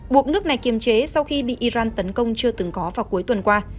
buộc nước này kiềm chế sau khi bị iran tấn công chưa từng có vào cuối tuần qua